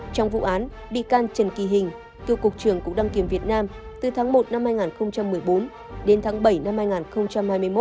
trong vụ án bị can trần kỳ hình cựu cục trưởng cục đăng kiểm việt nam từ tháng một năm hai nghìn một mươi bốn đến tháng bảy năm hai nghìn hai mươi một